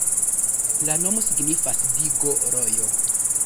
La nomo signifas digo-rojo.